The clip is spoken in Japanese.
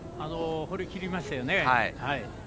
放りきりましたよね。